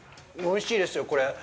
おいしいですよ、これ！